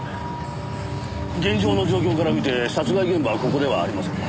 現場の状況から見て殺害現場はここではありません。